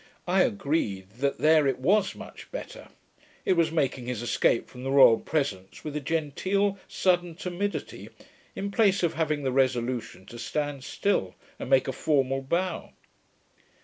I agreed that THERE it was much better: it was making his escape from the royal presence with a genteel sudden timidity, in place of having the resolution to stand still, and make a formal bow.